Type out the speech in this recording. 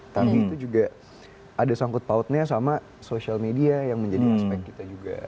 tapi itu juga ada sangkut pautnya sama social media yang menjadi aspek kita juga